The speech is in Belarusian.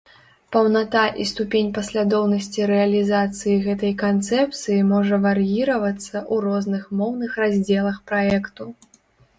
Паўната і ступень паслядоўнасці рэалізацыі гэтай канцэпцыі можа вар'іравацца ў розных моўных раздзелах праекту.